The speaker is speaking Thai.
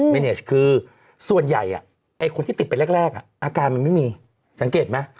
เนสคือส่วนใหญ่คนที่ติดไปแรกอาการมันไม่มีสังเกตไหม